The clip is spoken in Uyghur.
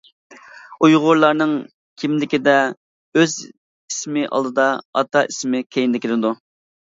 ئۇيغۇرلارنىڭ كىملىكىدە ئۆز ئىسمى ئالدىدا ئاتا ئىسمى كەينىدە كېلىدۇ.